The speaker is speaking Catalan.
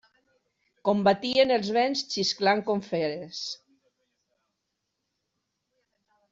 Combatien els vents xisclant com feres.